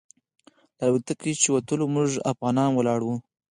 له الوتکې چې ووتلو موږ افغانان ولاړ وو.